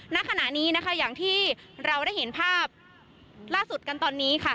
ณขณะนี้นะคะอย่างที่เราได้เห็นภาพล่าสุดกันตอนนี้ค่ะ